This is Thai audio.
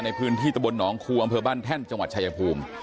ในพื้นที่ตะบลหนองคูอำเภอบ้านแท่นจังหวัดชายภูมิ